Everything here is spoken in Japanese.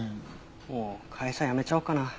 もう会社辞めちゃおうかな。